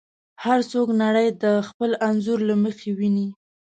هر څوک نړۍ د خپل انځور له مخې ویني.